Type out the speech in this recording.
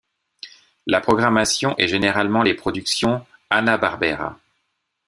La programmation est généralement les productions Hanna-Barbera.